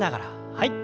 はい。